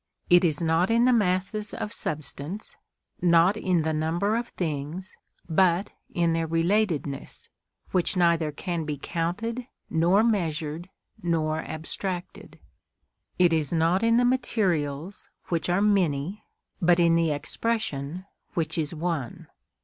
It is not in the masses of substance, not in the number of things, but in their relatedness, which neither can be counted, nor measured, nor abstracted. It is not in the materials which are many, but in the expression which is one.